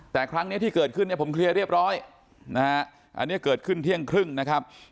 แต่ครั้งนี้ที่เกิดขึ้นเนี่ยผมเคลียร์เรียบร้อยนะฮะอันนี้เกิดขึ้นเที่ยงครึ่งนะครับ